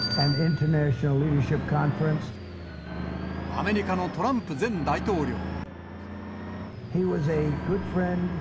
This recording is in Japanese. アメリカのトランプ前大統領。